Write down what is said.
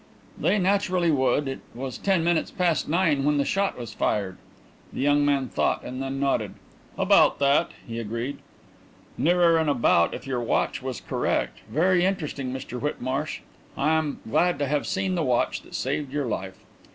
"They naturally would; it was ten minutes past nine when the shot was fired." The young man thought and then nodded. "About that," he agreed. "Nearer than 'about,' if your watch was correct. Very interesting, Mr Whitmarsh. I am glad to have seen the watch that saved your life."